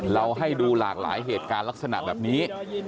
เราให้ดูหลากหลายเหตุการณ์ลักษณะแบบนี้